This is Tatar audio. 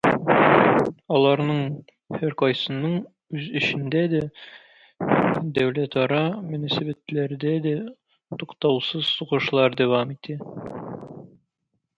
Аларның һәркайсының үз эчендә дә, дәүләтара мөнәсәбәтләрдә дә туктаусыз сугышлар дәвам итә.